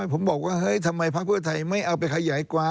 ผมบอกว่าเฮ้ยทำไมพระพุทธไทยไม่เอาไปขยายกว่า